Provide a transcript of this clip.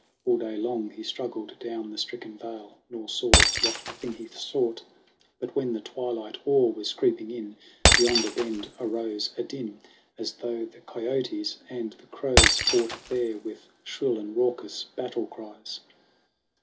All day long He struggled down the stricken vale, nor saw What thing he sought. But when the twilight awe Was creeping in, beyond a bend arose A din as though the kiotes and the crows Fought there with shrill and raucous battle cries.